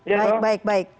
baik baik baik